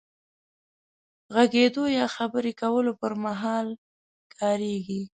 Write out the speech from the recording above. غږېدو يا خبرې کولو پر مهال کارېږي.